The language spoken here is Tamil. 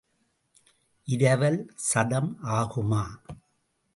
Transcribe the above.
இரவல் சதம் ஆகுமா?